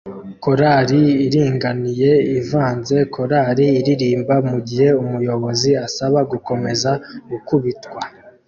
Korali iringaniye ivanze korari iririmba mugihe umuyobozi asaba gukomeza gukubitwa